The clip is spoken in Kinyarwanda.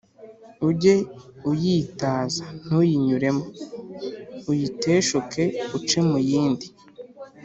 ujye uyitaza ntuyinyuremo, uyiteshuke uce mu yindi